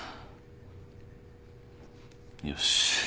よし。